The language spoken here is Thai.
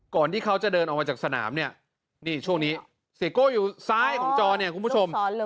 ที่เขาจะเดินออกมาจากสนามเนี่ยนี่ช่วงนี้เสียโก้อยู่ซ้ายของจอเนี่ยคุณผู้ชม